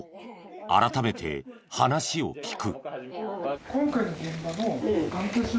改めて話を聞く。